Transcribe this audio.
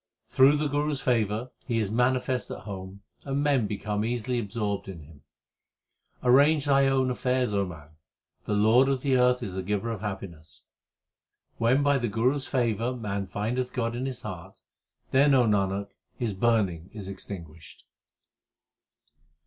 Through the Guru s favour He is manifest at home, and men become easily absorbed in Him. Arrange thine own affairs, O man ; the Lord of the earth is the Giver of happiness. When by the Guru s favour man findeth God in his heart, then, Nanak, his burning is extinguished.